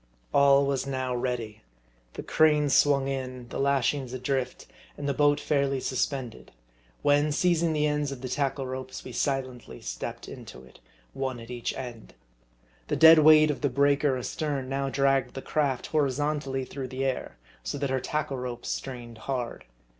All was now ready : the cranes swung in, the lashings 42 MARDI. adrift, and the boat fairly suspended ; when, seizing the ends of the tackle ropes, we silently stepped into it, one at each end. The dead weight of the breaker astern now dragged the craft horizontally through the air, so that her tackle ropes strained hard.